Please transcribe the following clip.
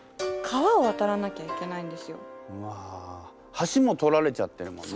橋も取られちゃってるもんね。